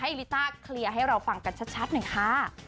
ลิต้าเคลียร์ให้เราฟังกันชัดหน่อยค่ะ